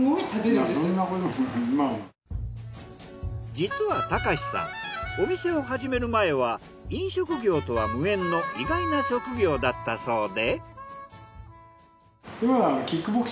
実は貴さんお店を始める前は飲食業とは無縁の意外な職業だったそうで。